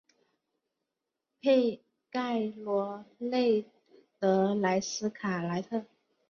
佩盖罗勒德莱斯卡莱特。